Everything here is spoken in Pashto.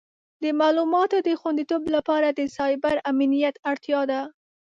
د معلوماتو د خوندیتوب لپاره د سایبر امنیت اړتیا ده.